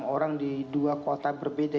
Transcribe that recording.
orang di dua kota berbeda